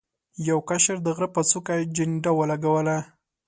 یو کشر د غره په څوکه جنډه ولګوله.